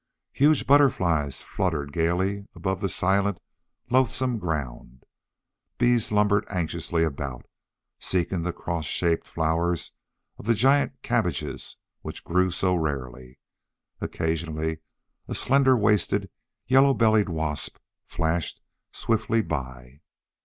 Huge butterflies fluttered gaily above the silent, loathesome ground. Bees lumbered anxiously about, seeking the cross shaped flowers of the giant cabbages which grew so rarely. Occasionally a slender waisted, yellow bellied wasp flashed swiftly by.